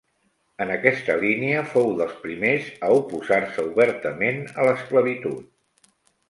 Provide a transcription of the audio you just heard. En aquesta línia, fou dels primers a oposar-se obertament a l'esclavitud.